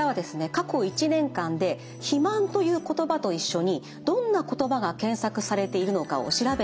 過去１年間で肥満という言葉と一緒にどんな言葉が検索されているのかを調べた図です。